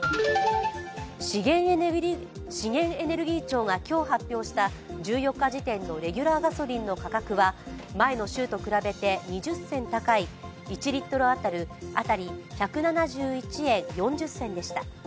資源エネルギー庁が今日発表した１４日時点のレギュラーガソリンの価格は前の週と比べて２０銭高い１リットル当たり１７１円４０銭でした。